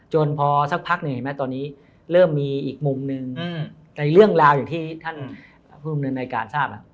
พอสักพักหนึ่งเห็นไหมตอนนี้เริ่มมีอีกมุมหนึ่งในเรื่องราวอย่างที่ท่านผู้ดำเนินรายการทราบ